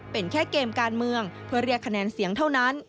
เป็นแค่เกมการเมืองเพื่อเรียกคะแนนเสียงเท่านั้น